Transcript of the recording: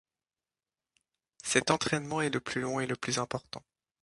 Cet entrainement est le plus long et le plus important.